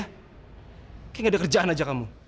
kayak nggak ada kerjaan aja kamu